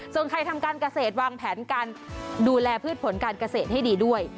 ส่วนใครทำการเกษตรวางแผนการดูแลพืชผลการเกษตรให้ดีด้วย